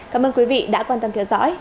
cảm ơn quý vị đã quan tâm theo dõi